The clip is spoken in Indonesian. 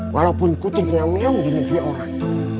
walaupun kucingnya mewah di negeri orang